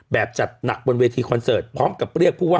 แบบจัดหนักบนเวทีคอนเสิร์ตพร้อมกับเรียกผู้ว่า